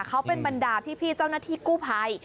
เขาเป็นบรรดาพี่เจ้าหน้าที่กู้ภัย